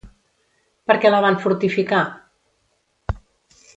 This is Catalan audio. Per què la van fortificar?